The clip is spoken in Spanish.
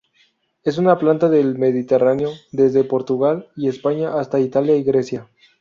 Es una planta del Mediterráneo, desde Portugal y España hasta Italia y Grecia.